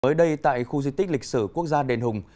mới đây tại khu di tích lịch sử quốc gia đền hùng